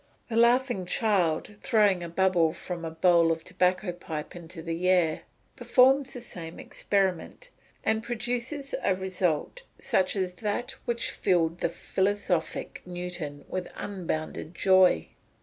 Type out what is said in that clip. The laughing child, throwing a bubble from the bowl of a tobacco pipe into the air, performs the same experiment, and produces a result such as that which filled the philosophic Newton with unbounded joy.